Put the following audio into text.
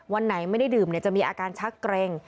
วันไหนไม่ได้ดื่มจะมีอาการชักเกร็ง